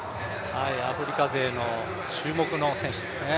アフリカ勢の注目の選手ですね。